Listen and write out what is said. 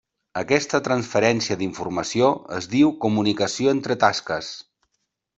Aquesta transferència d'informació es diu comunicació entre tasques.